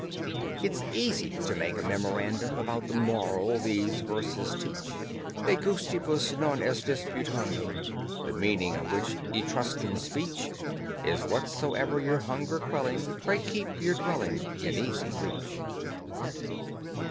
It's easy to make a memorandum About THE MORAL these verses teach: De gustibus non est disputandum; The meaning of which Etruscan speech Is wheresoever you're hunger quelling Pray keep your dwelling In easy reach.